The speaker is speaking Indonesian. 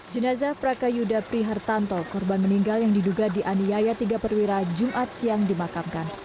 jenazah prakayuda prihartanto korban meninggal yang diduga dianiaya tiga perwira jumat siang dimakamkan